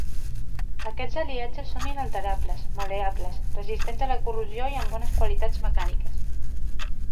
Aquests aliatges són inalterables, mal·leables, resistents a la corrosió i amb bones qualitats mecàniques.